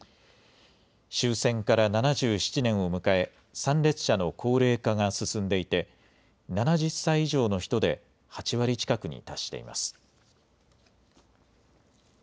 終戦から７７年を迎え参列者の高齢化が進んでいて７０歳以上の人で８割近くに達しています。